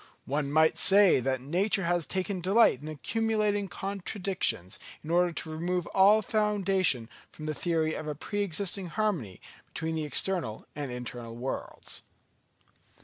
One might say that nature has taken delight in accumulating contradictions in order to remove all foundation from the theory of a pre existing harmony between the external and internal worlds."